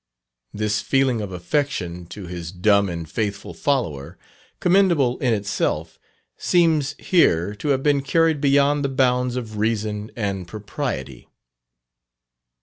This feeling of affection to his dumb and faithful follower, commendable in itself, seems here to have been carried beyond the bounds of reason and propriety.